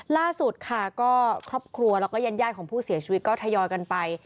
ล่าสุดค่ะก็ครอบครัวแล้วก็ญาติของผู้เสียชีวิตก็ทยอยกันไป